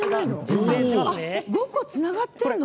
５個つながっているの？